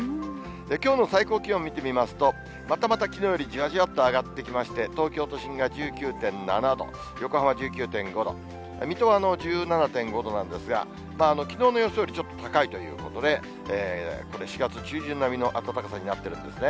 きょうの最高気温見てみますと、またまたきのうよりじわじわと上がってきまして、東京都心は１９．７度、横浜１９．５度、水戸は１７．５度なんですが、きのうの予想よりちょっと高いということで、これ、４月中旬並みの暖かさになっているんですね。